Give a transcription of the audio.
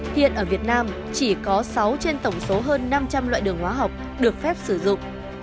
hiện ở việt nam chỉ có sáu trên tổng số hơn năm trăm linh loại đường hóa học được phép sử dụng